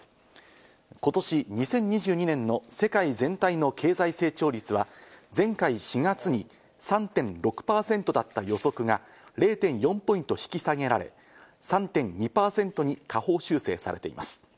今年２０２２年の世界全体の経済成長率は、前回４月に３．６％だった予測が０．４ポイント引き下げられ、３．２％に下方修正されています。